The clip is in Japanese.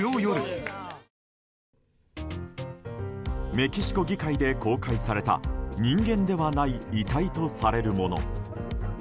メキシコ議会で公開された人間ではない遺体とされるもの。